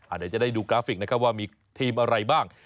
เดี๋ยวจะได้ดูกราฟิกนะครับว่ามีทีมอะไรบ้าง